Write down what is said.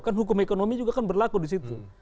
kan hukum ekonomi juga kan berlaku di situ